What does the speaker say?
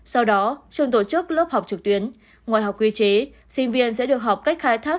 sau đó trường tổ chức lớp học trực tuyến ngoài học quy chế sinh viên sẽ được học cách khai thác